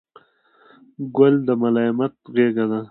ګل د ملایمت غېږه ده.